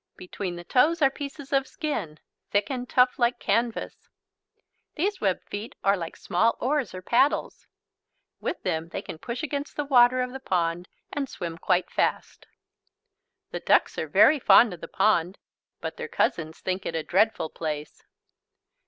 Between the toes are pieces of skin, thick and tough like canvas. These web feet are like small oars or paddles. With them they can push against the water of the pond and swim quite fast. The ducks are very fond of the pond but their cousins think it a dreadful place.